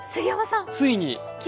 ついに。